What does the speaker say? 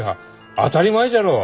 当たり前じゃろう！